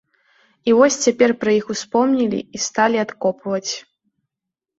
І вось цяпер пра іх успомнілі і сталі адкопваць.